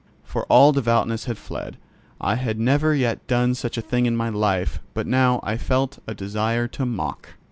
For all devoutness had fled. I had never yet done such a thing in my life, but now I felt a desire to mock.